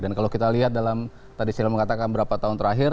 dan kalau kita lihat dalam tadi saya mengatakan beberapa tahun terakhir